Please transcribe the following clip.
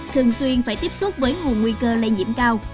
thường xuyên phải tiếp xúc với nguồn nguy cơ lây nhiễm cao